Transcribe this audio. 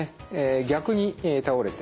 逆に倒れて。